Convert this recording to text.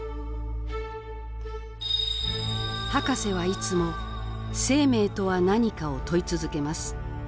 ハカセはいつも「生命とは何か？」を問い続けます。